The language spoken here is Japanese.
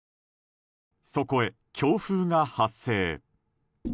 そこへ、強風が発生。